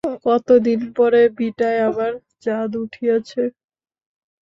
কতদিন পরে ভিটায় আবার চাঁদ উঠিয়াছে।